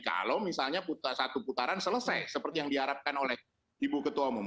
kalau misalnya satu putaran selesai seperti yang diharapkan oleh ibu ketua umum